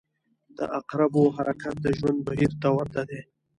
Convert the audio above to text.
• د عقربو حرکت د ژوند بهیر ته ورته دی.